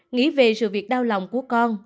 nghĩa về sự việc đau lòng của con